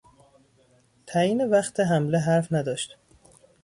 تعیین وقت حمله حرف نداشت.